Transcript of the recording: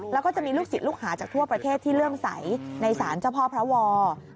แล้วก็จะมีลูกศิษย์ลูกหาจากทั่วประเทศที่เลื่อมใสในศาลเจ้าพ่อพระวอร์